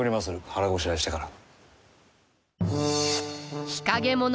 腹ごしらえしてから。